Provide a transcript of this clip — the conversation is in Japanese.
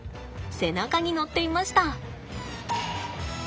背中に乗っていました。